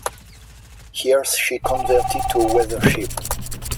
Here she converted to a weather ship.